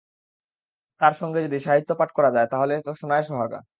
তাঁর সঙ্গে যদি সাহিত্য পাঠ করা যায়, তাহলে তো সোনায় সোহাগা।